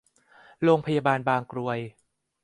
โรงพยาบาลบางกรวย